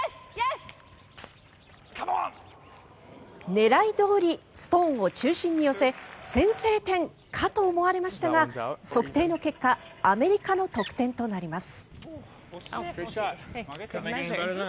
狙いどおりストーンを中心に寄せ先制点かと思われましたが測定の結果アメリカの得点となります。